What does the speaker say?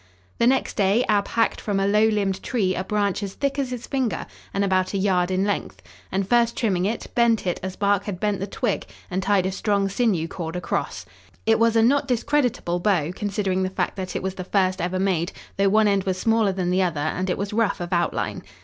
The next day Ab hacked from a low limbed tree a branch as thick as his finger and about a yard in length, and, first trimming it, bent it as Bark had bent the twig and tied a strong sinew cord across. It was a not discreditable bow, considering the fact that it was the first ever made, though one end was smaller than the other and it was rough of outline.